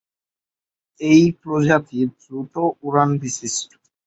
এই প্রজাতি দ্রুত উড়ান বিশিষ্ট।